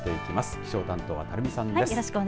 気象担当は垂水さんです。